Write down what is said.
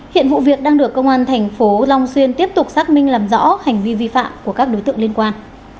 hiện vụ việc đang được công an thành phố long xuyên tiếp tục xác minh làm rõ hành vi vi phạm của các đối tượng liên quan